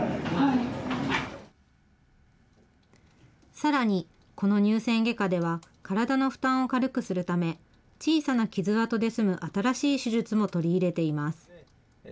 さらに、この乳腺外科では、体の負担を軽くするため、小さな傷跡で済む新しい手術も取り入れています。